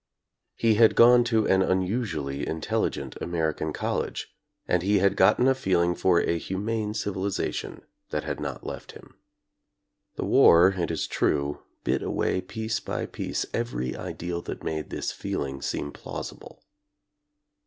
He had gone to an unusually intelligent American college, and he had gotten a feeling for a humane civilization that had not left him. The war, it is true, bit away piece by piece every ideal that made this feeling seem plausible.